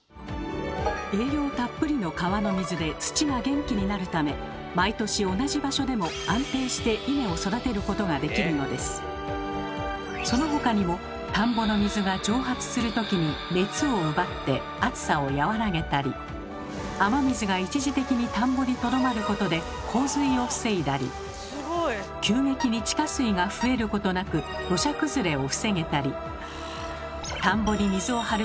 栄養たっぷりの川の水で土が元気になるため毎年同じ場所でもそのほかにも田んぼの水が蒸発するときに熱を奪って暑さを和らげたり雨水が一時的に田んぼにとどまることで洪水を防いだり急激に地下水が増えることなく土砂崩れを防げたり。